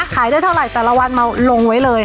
ขายได้เท่าไหร่แต่ละวันมาลงไว้เลย